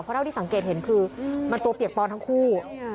เท่าที่สังเกตเห็นคือมันตัวเปียกปอนทั้งคู่